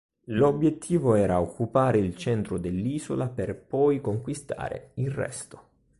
L'obiettivo era occupare il centro dell'isola per poi conquistare il resto.